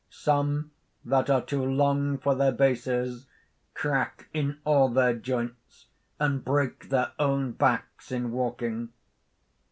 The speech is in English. Some that are too long for their bases, crack in all their joints, and break their own backs in walking.